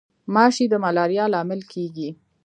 ماشي د ملاریا لامل کیږي